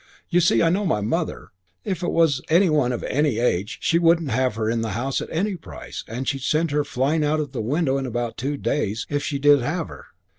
You see, I know my mother. If it was any one of any age, she wouldn't have her in the house at any price, and she'd send her flying out of the window in about two days if she did have her.